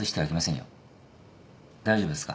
大丈夫ですか？